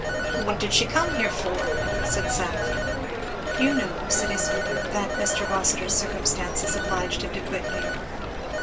"What did she come here for?" said Seth. "You know," said his mother, "that Mr. Rossitur's circumstances obliged him to quit New York."